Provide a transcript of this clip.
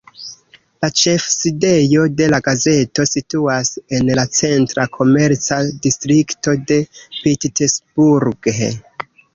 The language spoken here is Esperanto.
La ĉefsidejo de la gazeto situas en la centra komerca distrikto de Pittsburgh.